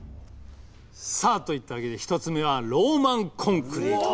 さあといったわけで１つ目は「ローマンコンクリート」。